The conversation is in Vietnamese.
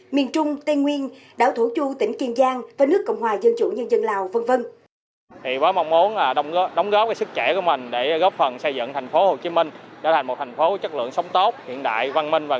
miền trung tây nguyên đảo thủ chu tỉnh kiên giang và nước cộng hòa dân chủ nhân dân lào v v